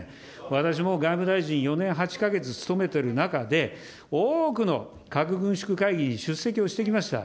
私も外務大臣４年８か月務めてる中で、多くの核軍縮会議に出席をしてきました。